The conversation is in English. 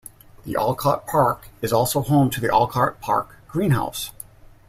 The Olcott Park is also home to the Olcott Park Greenhouse.